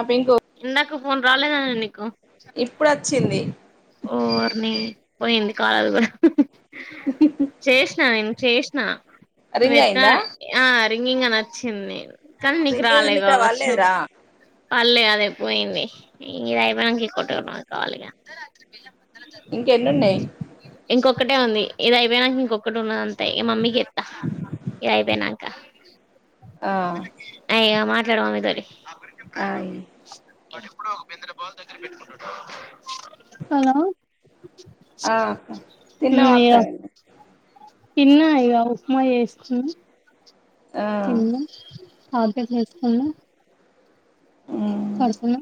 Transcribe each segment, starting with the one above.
అపింక్‌ నీకు ఫోన్ రాలేదనేనికు ఇప్పుడే వచ్చింది వార్ని పోయింది కాలలదు చేసిననెను చేసిన నువు రింగ్ ఎత్త అయిందా ఆ రింగీంగానచ్చి నేను రింగిం నిక పళ్లేదా పళ్లే అదే పోయింది ఇద వేయంగీ కొట్టాలి కావాలిగా ఎలా ఇంకెన్ని ఉన్నాయి ఒక్కటే ఉంది ఇది అయిపోయినాక ఇంకొక్కటి ఉన్న ది అంతే ఇంకా మమ్మీకి చెప్తా ఇది అయిపోయినాంక ఆ ట్లాడు మమ్మీ తోటి అయి ఎప్పుడో ఒక బంది బవు దగ్గర పెట్టుకుంటు హలో ఆ అక్క తిన్నావా అక్క ఉమ్ తిన్న ఇగా ఉప్మా చేసుకొని ఆ తిన్న టాబ్లెట్ వేసుకున్నా మ్మ్ పడుకున్న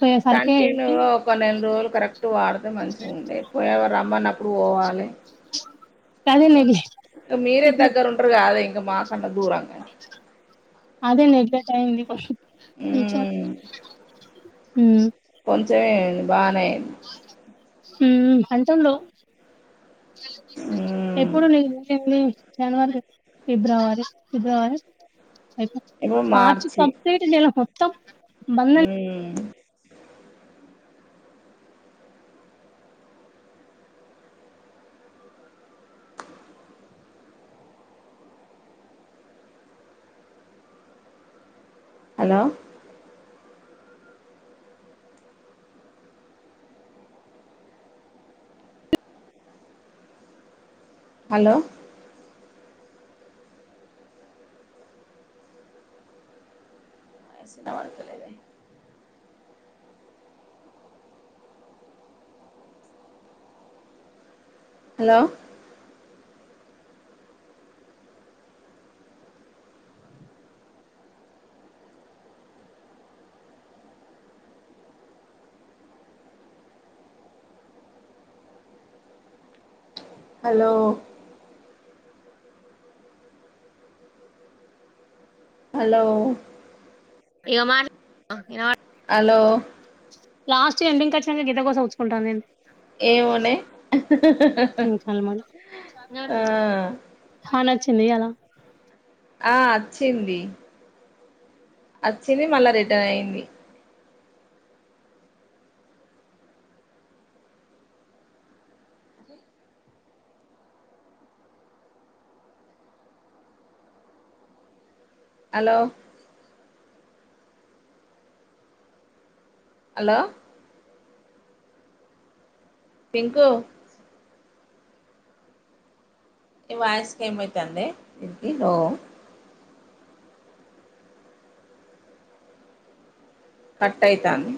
పోయేసరికి కంటిన్యూ గా ఒక నెల రోజలు కరెక్ట్ టుగ వాడితే మంచిగా ఉంటయి పోయవరు రమ్మన్నప్పుడు పోవాలి అదే నెగ్లె మీరే నెగ్లె దగ్గర ఉంటారు కాదే ఇంకా కా మాకన్నా దూరంగానీ అదే నెట్టినట్టయింది మ్మ్ ఉమ్ చే బానే అయింది ఉమ్ అంటం లో మ్మ్ ఎప్పుడు నంది జనవరి ఫిబ్రవరి ఫిబ్రవరి అ ఇప్పుడు పాచి మార్చి పంప్లీట్ చేయాలా తప్ మందులు మ్మ్ హలో హలో వాయిస్ వినపడతలేదే హలో హలో హలో ఇగో మాట్ విన హలో లాస్ట్ ఎండింగ్ వచ్చిన గీత కోసం వచ్చుకుంటాను నండి ఏమ నే ఇంకాల మళ్ళీ లేయ్యల ఆ వచ్చింది వచ్చింది మళ్ళా రిటర్న్ అయింది హలో హలో పంక ఈ వాయిస్కి ఏమవుతుండి దీనికి లో కట్యితా అండి